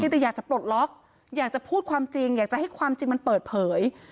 แต่อยากจะปลดล็อกอยากจะพูดความจริงอยากจะให้ความจริงมันเปิดเผย